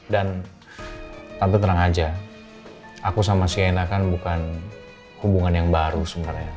dan tante terang aja aku sama sienna kan bukan hubungan yang baru sebenarnya